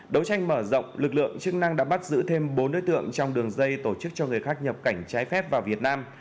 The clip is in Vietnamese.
đấu tranh mở rộng lực lượng chức năng đã bắt giữ thêm bốn đối tượng trong đường dây tổ chức cho người khác nhập cảnh trái phép vào việt nam